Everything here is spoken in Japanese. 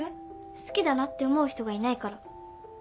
好きだなって思う人がいないから